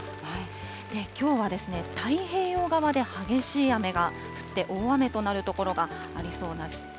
きょうは、太平洋側で激しい雨が降って、大雨となる所がありそうなんです。